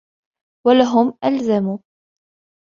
وَلَهُمْ أَلْزَمُ